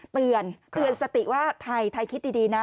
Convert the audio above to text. เตือนสติว่าไทยคิดดีนะ